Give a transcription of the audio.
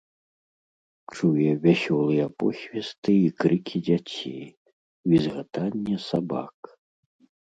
Чуе вясёлыя посвісты і крыкі дзяцей, візгатанне сабак.